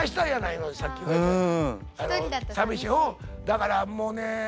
だからもうねえ。